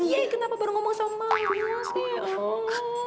yei kenapa baru ngomong sama lu sih